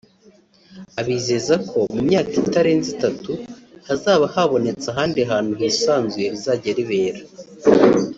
abizeza ko mu myaka itarenze itatu hazaba habonetse ahandi hantu hisanzuye rizajya ribera